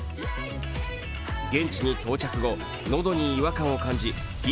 現地に到着後、喉に違和感を感じ